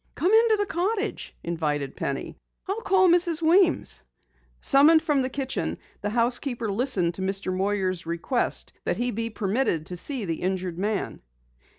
"Come into the cottage," invited Penny. "I'll call Mrs. Weems." Summoned from the kitchen, the housekeeper listened to Mr. Moyer's request that he be permitted to see the injured man.